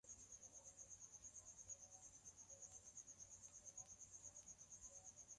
wa kusaka uungwaji mkono kutoka jumuiya ya kimataifa